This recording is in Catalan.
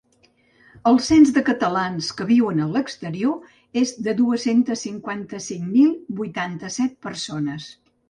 El cens de catalans que viuen a l’exterior és de dues-centes cinquanta-cinc mil vuitanta-set persones.